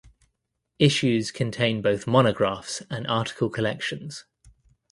Issues contain both monographs and article collections.